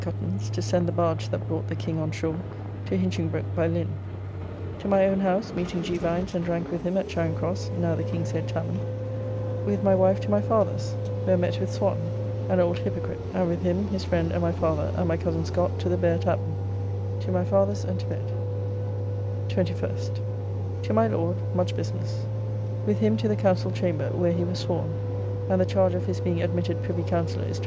Cuttance to send the barge that brought the King on shore, to Hinchingbroke by Lynne. To my own house, meeting G. Vines, and drank with him at Charing Cross, now the King's Head Tavern. With my wife to my father's, where met with Swan, [William Swan is called a fanatic and a very rogue in other parts of the Diary.] an old hypocrite, and with him, his friend and my father, and my cozen Scott to the Bear Tavern. To my father's and to bed. 21st. To my Lord, much business. With him to the Council Chamber, where he was sworn; and the charge of his being admitted Privy Counsellor is L26.